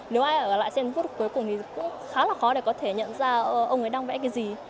nếu ai ở lại xem phút cuối cùng thì cũng khá là khó để có thể nhận ra ông ấy đang vẽ cái gì